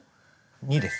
２です。